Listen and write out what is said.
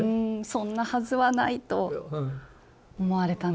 「そんなはずはない」と思われたんですね。